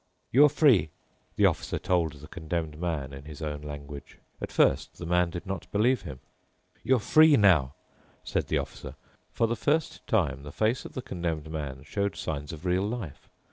"You are free," the Officer told the Condemned Man in his own language. At first the man did not believe him. "You are free now," said the Officer. For the first time the face of the Condemned Man showed signs of real life.